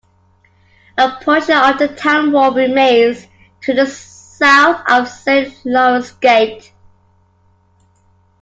A portion of the town wall remains to the south of Saint Laurence's Gate.